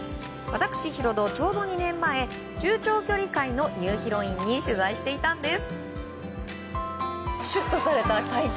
私、ヒロド、ちょうど２年前中長距離界のニューヒロインに取材していたんです。